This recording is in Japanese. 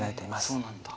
そうなんだ。